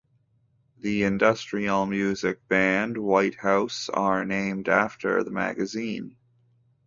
The industrial music band Whitehouse are named after the magazine.